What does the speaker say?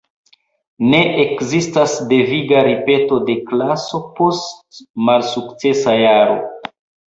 Ne ekzistas deviga ripeto de klaso post malsukcesa jaro.